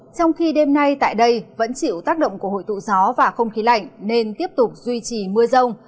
trong khi đêm nay tại đây vẫn chịu tác động của hội tụ gió và không khí lạnh nên tiếp tục duy trì mưa rông